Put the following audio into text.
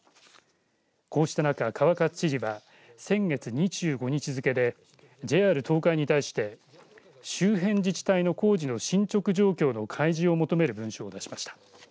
こうした中、川勝知事は先月２５日付けでＪＲ東海に対して周辺自治体の工事の進捗状況の開示を求める文書を出しました。